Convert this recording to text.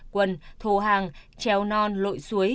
quân thô hàng treo non lội suối